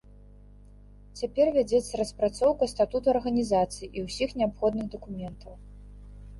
Цяпер вядзецца распрацоўка статуту арганізацыі і ўсіх неабходных дакументаў.